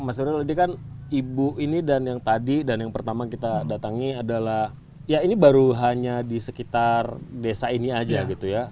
mas nurul ini kan ibu ini dan yang tadi dan yang pertama kita datangi adalah ya ini baru hanya di sekitar desa ini aja gitu ya